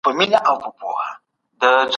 مشاهده یو ډېر ګټور علمي میتود دی.